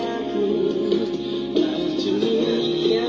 แต่พ่อเขาคนจัดเชียงเศร้า